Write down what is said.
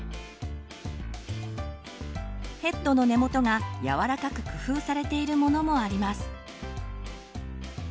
ヘッドの根元が柔らかく工夫されているものもあります。